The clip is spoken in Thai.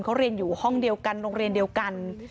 เขาเรียนอยู่ห้องเดียวกันโรงเรียนเดียวกัน